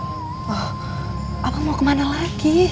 oh abang mau ke mana lagi